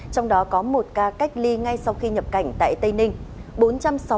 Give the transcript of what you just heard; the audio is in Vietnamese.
trong đó có một ca cách ly ngay sau khi nhập cảnh tại tây ninh